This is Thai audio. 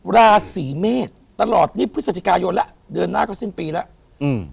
ราศีเมษตลอดนี่พฤศจิกายนแล้วเดือนหน้าก็สิ้นปีแล้วอืม